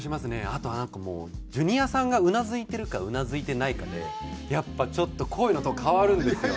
あとはなんかもうジュニアさんがうなずいてるかうなずいてないかでやっぱちょっと声のトーン変わるんですよ。